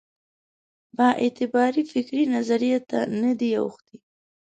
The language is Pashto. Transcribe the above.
بااعتبارې فکري نظریې ته نه ده اوښتې.